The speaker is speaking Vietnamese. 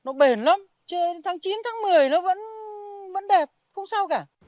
nó bền lắm chơi đến tháng chín tháng một mươi nó vẫn đẹp không sao cả